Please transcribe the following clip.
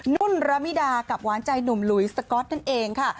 นุ่นระมิดากับหวานใจหนุ่มหลุยสก๊อตนั่นเองค่ะ